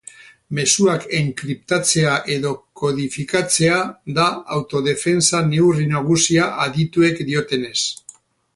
Mezuak enkriptatzea edo kodifikatzea da autodefentsa neurri nagusia adituek diotenez.